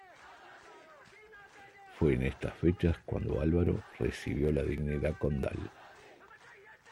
Fue en estas fechas cuando Álvaro recibió la dignidad condal.